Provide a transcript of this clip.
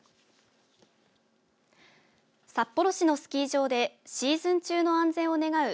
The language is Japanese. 札幌市のスキー場でシーズン中の安全を願う